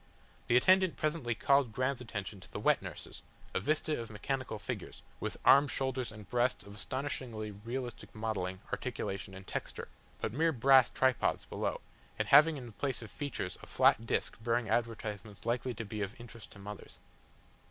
The attendant presently called Graham's attention to the wet nurses, a vista of mechanical figures, with arms, shoulders, and breasts of astonishingly realistic modelling, articulation, and texture, but mere brass tripods below, and having in the place of features a flat disc bearing advertisements likely to be of interest to mothers.